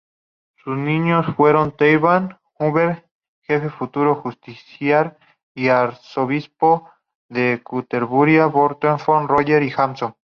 Sus niños fueron Theobald, Hubert—Jefe futuro Justiciar y Arzobispo de Canterbury—Bartholomew, Roger, y Hamon.